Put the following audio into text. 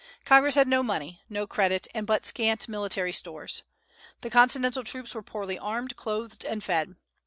Congress had no money, no credit, and but scanty military stores. The Continental troops were poorly armed, clothed, and fed.